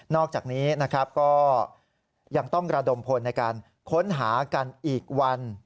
อกจากนี้นะครับก็ยังต้องระดมพลในการค้นหากันอีกวัน